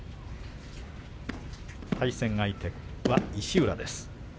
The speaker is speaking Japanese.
対戦相手は石浦です。